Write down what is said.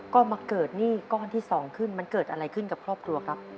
ก็มาเกิดหนี้ก้อนที่๒ขึ้นมันเกิดอะไรขึ้นกับครอบครัวครับ